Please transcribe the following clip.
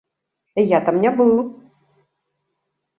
Я там не быў.